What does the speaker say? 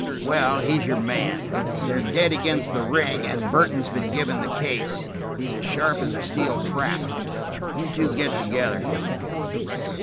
"Well, he's your man. They're dead against the ring, and Burton's been given the case. He's as sharp as a steel trap. You two get together."